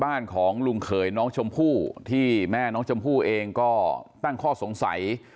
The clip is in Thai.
บ้านของลุงเขยน้องชมพู่ที่แม่น้องชมพู่เองก็ตั้งข้อสงสัย